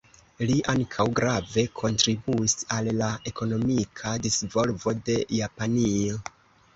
Li ankaŭ grave kontribuis al la ekonomika disvolvo de Japanio.